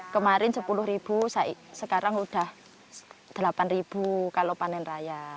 kemarin sepuluh ribu sekarang sudah delapan ribu kalau panen raya